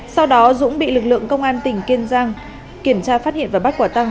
sau đó dũng bị lực lượng công an tỉnh kiên giang kiểm tra phát hiện và bắt quả tăng